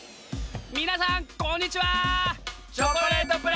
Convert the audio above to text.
みなさんこんにちは！